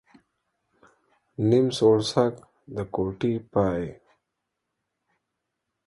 نيم سوړسک ، د کوټې پاى.